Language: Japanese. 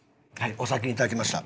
お先にいただきました。